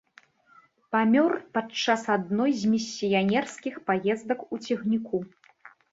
Памёр падчас адной з місіянерскіх паездак у цягніку.